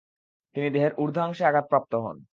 তিনি দেহের ঊর্ধ্বাংশে আঘাতপ্রাপ্ত হন।